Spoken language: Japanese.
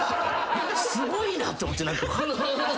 すごいなと思って何か。